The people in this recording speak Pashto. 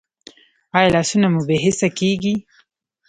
ایا لاسونه مو بې حسه کیږي؟